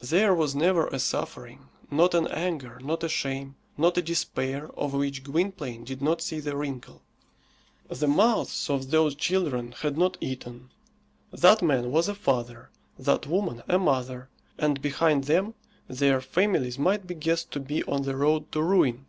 There was never a suffering, not an anger, not a shame, not a despair, of which Gwynplaine did not see the wrinkle. The mouths of those children had not eaten. That man was a father, that woman a mother, and behind them their families might be guessed to be on the road to ruin.